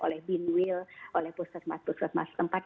oleh bin will oleh pusat mas pusat mas tempat